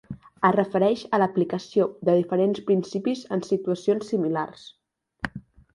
Es refereix a l'aplicació de diferents principis en situacions similars.